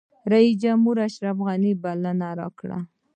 جمهورریس اشرف غني بلنه راکړه.